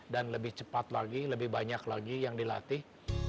dan lebih cepat lagi lebih banyak lagi yang dilatih